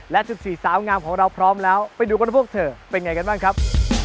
และ๑๔สาวงามของเราพร้อมแล้วไปดูกันว่าพวกเธอเป็นไงกันบ้างครับ